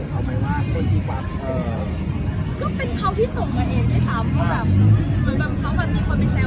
คือเขามาเซอร์ไฟล์นะคะเขาก็เซอร์ไฟล์